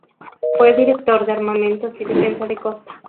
Fue Director de Armamentos y Defensa de Costa.